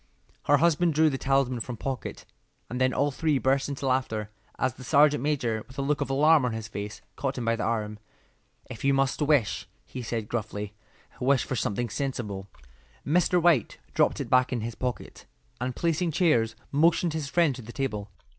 Her husband drew the talisman from pocket, and then all three burst into laughter as the sergeant major, with a look of alarm on his face, caught him by the arm. "If you must wish," he said, gruffly, "wish for something sensible." Mr. White dropped it back in his pocket, and placing chairs, motioned his friend to the table.